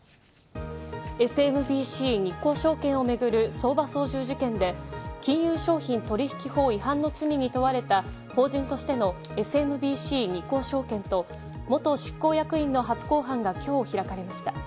ＳＭＢＣ日興証券を巡る相場操縦事件で、金融商品取引法違反の罪に問われた法人としてのＳＭＢＣ日興証券と元執行役員の初公判が今日開かれました。